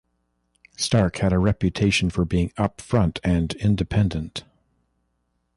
Starke had a reputation for being upfront and independent.